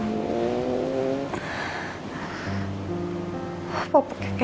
kau mau ngapa nka mau takut gue